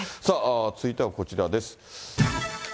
続いてはこちらです。